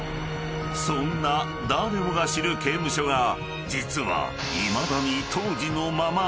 ［そんな誰もが知る刑務所が実はいまだに］